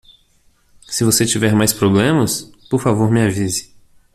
Se você tiver mais problemas?, por favor me avise.